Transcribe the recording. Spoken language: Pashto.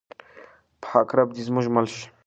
پاک رب دې زموږ مل شي.